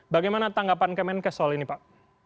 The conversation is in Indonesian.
bagaimana tanggapan kemenkes soal ini pak